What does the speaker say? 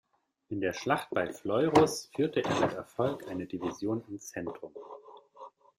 In der Schlacht bei Fleurus führte er mit Erfolg eine Division im Zentrum.